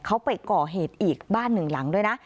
เขาไปก่อเหตุอีกบ้านหนึ่งหลังด้วยนะ